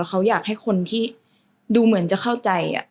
เขาอยากให้คนที่ดูเหมือนจะเข้าใจ